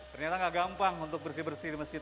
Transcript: ternyata gak gampang untuk bersih bersih di masjid